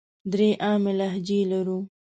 درې عامې لهجې لرو.